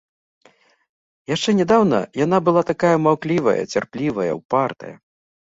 Яшчэ нядаўна яна была такая маўклівая, цярплівая, упартая.